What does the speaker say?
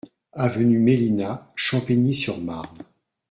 Avenue Mélina, Champigny-sur-Marne